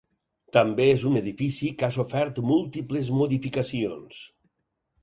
També és un edifici que ha sofert múltiples modificacions.